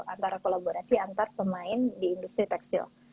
antara kolaborasi antar pemain di industri tekstil